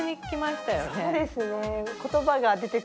そうですね。